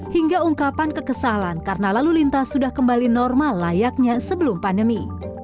hingga ungkapan kekesalan karena lalu lintas sudah kembali normal layaknya sebelum pandemi